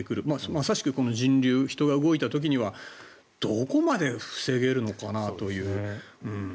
まさしく人流、人が動いた時にはどこまで防げるのかなという。